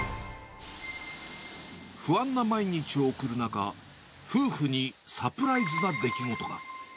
不安な毎日を送る中、夫婦にサプライズな出来事が。